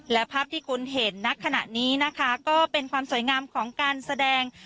และภาพที่คุณเห็นณขณะนี้นะคะก็เป็นความสวยงามของการแสดง